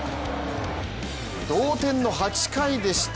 同点の８回でした。